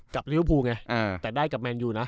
กับลิเวลพูแต่ได้กับแมนยูนะ